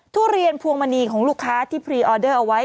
ทุเรียนพวงมณีของลูกค้าที่พรีออเดอร์เอาไว้